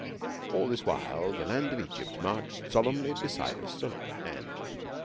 All this while the land of Egypt marched solemnly beside us on either hand.